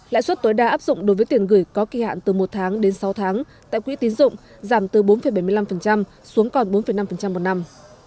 lãi suất tối đa áp dụng đối với tiền gửi có kỳ hạn từ một tháng đến sáu tháng tại quỹ tín dụng giảm từ bốn bảy mươi năm xuống còn bốn năm một năm